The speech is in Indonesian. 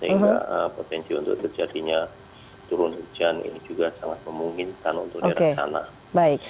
jadi potensi untuk terjadinya turun hujan ini juga sangat memungkinkan untuk daerah sana